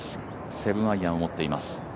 ７アイアンを持っています。